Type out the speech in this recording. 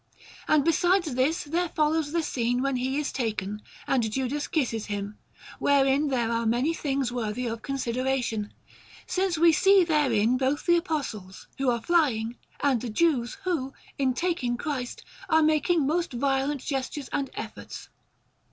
And beside this there follows the scene when He is taken and Judas kisses Him, wherein there are many things worthy of consideration, since we see therein both the Apostles, who are flying, and the Jews, who, in taking Christ, are making most violent gestures and efforts.